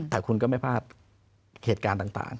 แต่คุณก็ไม่พลาดเหตุการณ์ต่าง